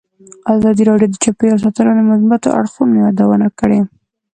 ازادي راډیو د چاپیریال ساتنه د مثبتو اړخونو یادونه کړې.